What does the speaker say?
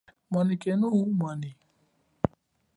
Menekenu mwanyi.